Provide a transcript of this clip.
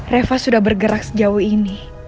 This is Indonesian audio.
reva sudah bergerak sejauh ini